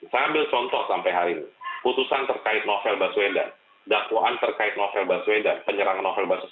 saya ambil contoh sampai hari ini putusan terkait novel baswedan dakwaan terkait novel baswedan penyerangan novel baswedan